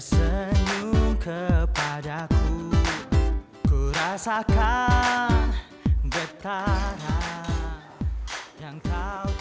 cewe kayak gitu harus dikerjain duk